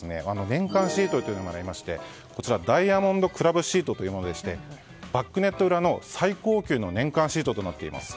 年間シートがありますがダイヤモンドクラブシートというものでしてバックネット裏の最高級の年間シートとなっています。